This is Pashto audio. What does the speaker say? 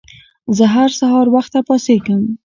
زه هر سهار وخته پاڅيږم